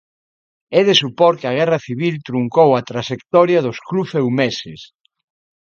É de supor que a guerra civil truncou a traxectoria dos clubs eumeses.